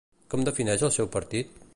Com defineix el seu partit?